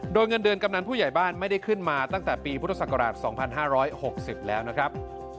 โดยเงินเดือนกำนันผู้ใหญ่บ้านไม่ได้ขึ้นมาตั้งแต่ปีพุทธศักราช๒๕๖๐แล้วนะครับ